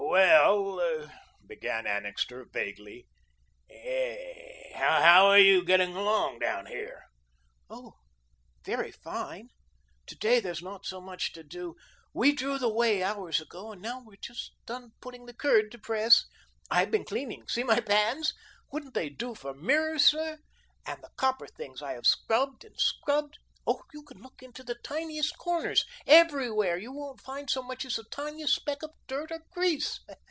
"Well," began Annixter vaguely, "how are you getting along down here?" "Oh, very fine. To day, there is not so much to do. We drew the whey hours ago, and now we are just done putting the curd to press. I have been cleaning. See my pans. Wouldn't they do for mirrors, sir? And the copper things. I have scrubbed and scrubbed. Oh, you can look into the tiniest corners, everywhere, you won't find so much as the littlest speck of dirt or grease.